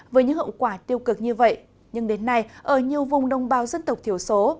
với những hậu quả tiêu cực như vậy nhưng đến nay ở nhiều vùng đồng bào dân tộc thiểu số